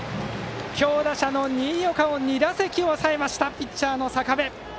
強打者の新岡を２打席抑えましたピッチャーの坂部！